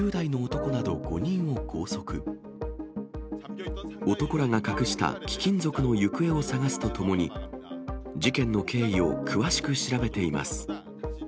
男らが隠した貴金属の行方を探すとともに、事件の経緯を詳しく調べています。